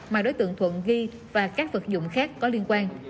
mà đối tượng thuận ghi và các vật dụng khác có liên quan